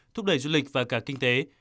thúc đẩy du lịch và cả kinh tế